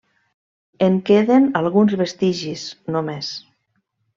En queden alguns vestigis, només.